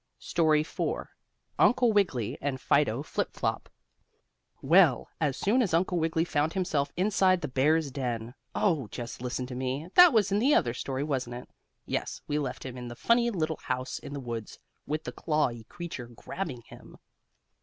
STORY IV UNCLE WIGGILY AND FIDO FLIP FLOP Well, as soon as Uncle Wiggily found himself inside the bear's den oh, just listen to me! That was in the other story, wasn't it? Yes, we left him in the funny little house in the woods, with the clawy creature grabbing him.